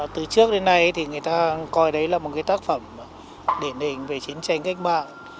từ trước đến nay người ta coi đấy là một tác phẩm điển hình về chiến tranh cách mạng